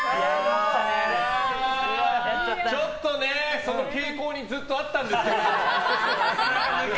ちょっとね、その傾向にずっとあったんですけど。